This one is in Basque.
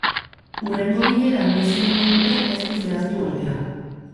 Hurrengo bilera noiz egingo duten ez du zehaztu, ordea.